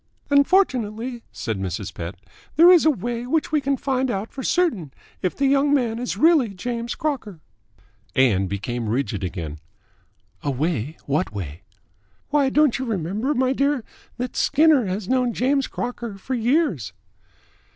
"And, fortunately," said Mrs. Pett, "there is a way by which we can find out for certain if the young man is really James Crocker." Ann became rigid again. "A way? What way?" "Why, don't you remember, my dear, that Skinner has known James Crocker for years."